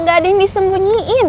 nggak ada yang disembunyiin